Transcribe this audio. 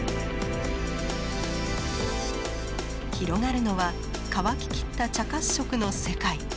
広がるのは乾ききった茶褐色の世界。